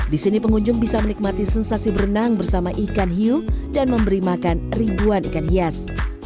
di sini pengunjung bisa menikmati sensasi berenang bersama ikan hiu dan memberi makan ribuan ikan hias